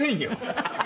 「ハハハハ」